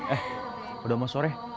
eh udah mau sore